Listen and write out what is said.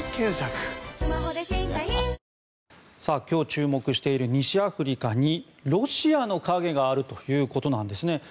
今日、注目している西アフリカにロシアの影があるということなんですね。